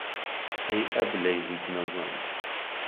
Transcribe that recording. ئەی ئهبلەی هیچ نەزان